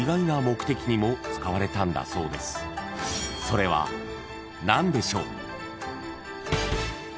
［それは何でしょう？］